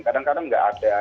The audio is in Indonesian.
kadang kadang nggak ada